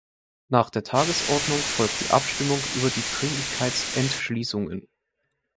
Nach der Tagesordnung folgt die Abstimmung über die Dringlichkeitsentschließungen.